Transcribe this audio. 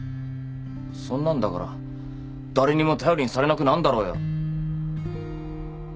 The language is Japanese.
そんなんだから誰にも頼りにされなくなんだろうよ。